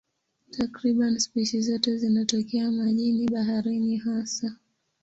Takriban spishi zote zinatokea majini, baharini hasa.